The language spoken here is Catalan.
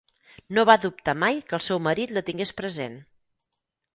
No va dubtar mai que el seu marit la tingués present.